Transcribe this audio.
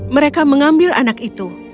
mereka mengambil anak itu